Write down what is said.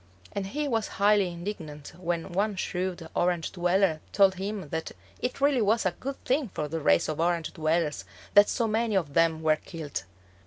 And he was highly indignant when one shrewd Orange dweller told him that it really was a good thing for the race of Orange dwellers that so many of them were killed.